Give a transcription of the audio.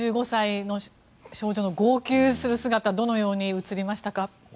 １５歳の少女の号泣する姿どのように映りましたか？